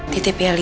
titip ya li